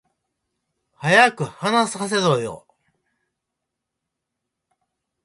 早く話させろよ